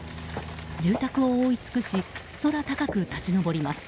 住宅を覆い尽くし空高く立ち上ります。